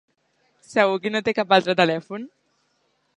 Segur que no té cap altre telèfon?